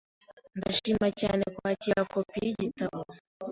Ndashimira cyane kwakira kopi yigitabo.